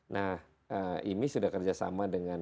nah ini sudah kerjasama dengan